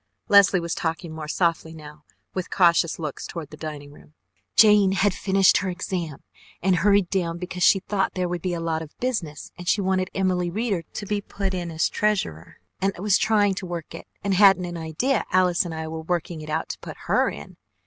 Leslie was talking more softly now, with cautious looks toward the dining room. "Jane had finished her exam. and hurried down because she thought there would be a lot of business and she wanted Emily Reeder to be put in treasurer and was trying to work it, and hadn't an idea Alice and I were working it to put her in.